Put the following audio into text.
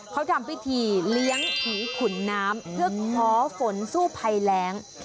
เขาทำพิธีเลี้ยงผีขุนน้ำเพื่อขอฝนสู้ภัยแรง